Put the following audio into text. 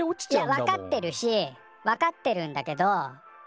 いやわかってるしわかってるんだけど。